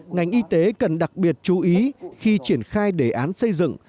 ngành y tế cần đặc biệt chú ý khi triển khai đề án xây dựng